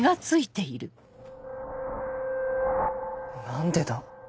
何でだ？